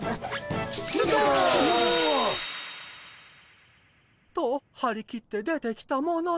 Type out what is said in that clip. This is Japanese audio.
出動！と張り切って出てきたのものの。